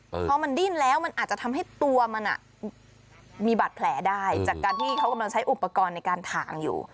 เพราะมันดิ้นแล้วมันอาจจะทำให้ตัวมันมีบาดแผลได้จากการที่เขากำลังใช้อุปกรณ์ในการถ่างอยู่